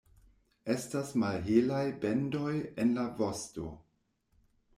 Estas malhelaj bendoj en la vosto.